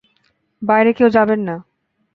বাইরে কেউ যাবেন না।